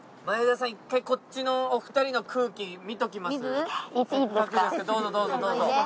前田さん１回こっちのお二人の空気見ときます？